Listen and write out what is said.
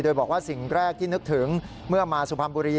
โดยบอกว่าสิ่งแรกที่นึกถึงเมื่อมาสุพรรณบุรี